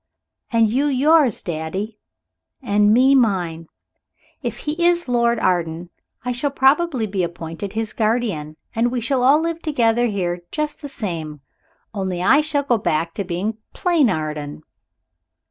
"And you, yours, daddy." "And me, mine. Anyhow, if he is Lord Arden I shall probably be appointed his guardian, and we shall all live together here just the same. Only I shall go back to being plain Arden."